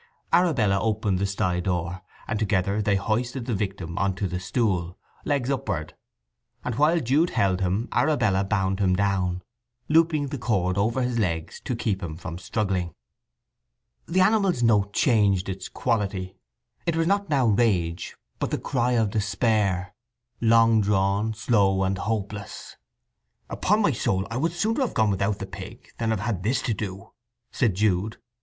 Arabella opened the sty door, and together they hoisted the victim on to the stool, legs upward, and while Jude held him Arabella bound him down, looping the cord over his legs to keep him from struggling. The animal's note changed its quality. It was not now rage, but the cry of despair; long drawn, slow and hopeless. "Upon my soul I would sooner have gone without the pig than have had this to do!" said Jude.